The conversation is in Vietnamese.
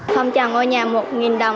phong trào ngôi nhà một đồng